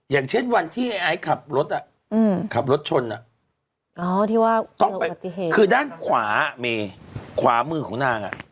อย่างเช่นวันที่ไอ้ไอ้ขับรถอ่ะขับรถชนอ่ะคือด้านขวามือของนางอ่ะ